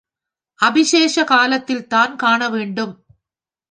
அபிஷேக காலத்தில் தான் காண வேண்டும்.